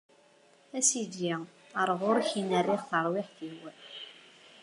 A Sidi, ar ɣur-k i n-rriɣ tarwiḥt-iw!